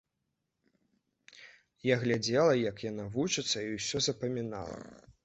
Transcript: Я глядзела, як яна вучыцца, і ўсё запамінала.